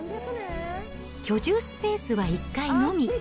居住スペースは１階のみ。